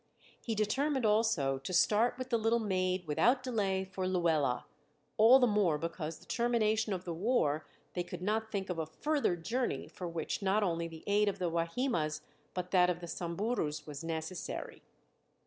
He determined also to start with the little maid without delay for Luela, all the more because before the termination of the war they could not think of a further journey for which not only the aid of the Wahimas but that of the Samburus was necessary.